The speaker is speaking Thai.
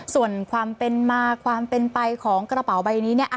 ส่วนความเป็นมาความเป็นไปของกระเป๋าใบนี้เนี่ย